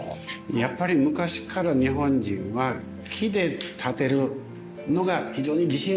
やっぱり昔から日本人は木で建てるのが非常に自信があるから。